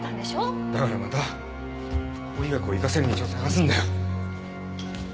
だからまた法医学を生かせる道を探すんだよ。